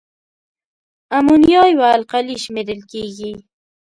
امونیا یوه القلي شمیرل کیږي.